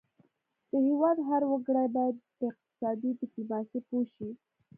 د هیواد هر وګړی باید په اقتصادي ډیپلوماسي پوه شي